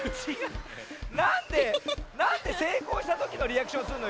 なんでなんでせいこうしたときのリアクションするの？